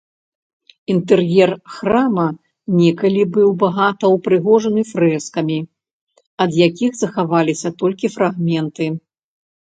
Інтэр'ер храма некалі быў багата ўпрыгожаны фрэскамі, ад якіх захаваліся толькі фрагменты.